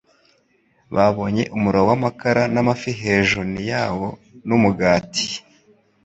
babonye umuriro w'amakara n'amafi hejuni yawo n'umugati."